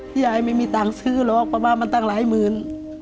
ยายไม่มีตังค์ซื้อหรอกเพราะว่ามันตั้งหลายหมื่น